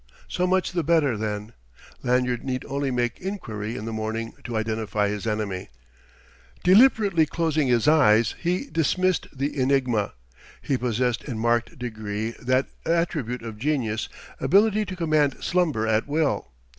So much the better, then: Lanyard need only make enquiry in the morning to identify his enemy. Deliberately closing his eyes, he dismissed the enigma. He possessed in marked degree that attribute of genius, ability to command slumber at will.